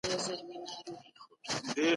که کورنۍ مثبتې خبرې وکړي، مایوسي نه رامنځته کېږي.